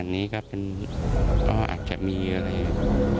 มีหาตัวเอง